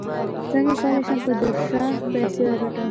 څنګه کولی شم په درپشخه پیسې وګټم